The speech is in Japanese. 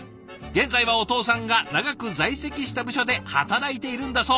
現在はお父さんが長く在籍した部署で働いているんだそう。